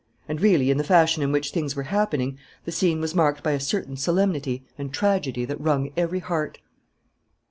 And really, in the fashion in which things were happening, the scene was marked by a certain solemnity and tragedy that wrung every heart.